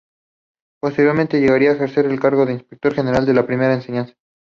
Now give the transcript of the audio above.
Posteriormente llegaría a ejercer el cargo de Inspector general de primera enseñanza.